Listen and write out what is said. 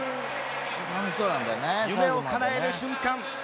夢をかなえる瞬間。